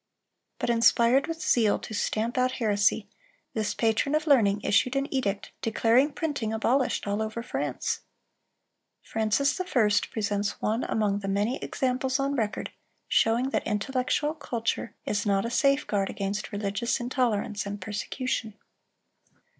But, inspired with zeal to stamp out heresy, this patron of learning issued an edict declaring printing abolished all over France! Francis I. presents one among the many examples on record showing that intellectual culture is not a safeguard against religious intolerance and persecution.